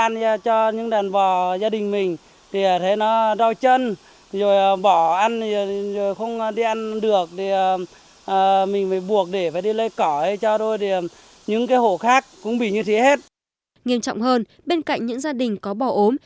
nghiêm trọng hơn bên cạnh những gia đình có bò ốm